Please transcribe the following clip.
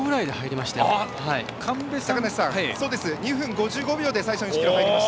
２分５５秒で最初の１ｋｍ入りました。